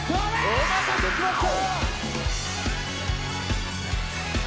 お待たせしました！